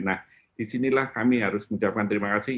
nah disinilah kami harus mengucapkan terima kasih